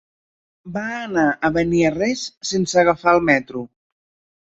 Va anar a Beniarrés sense agafar el metro.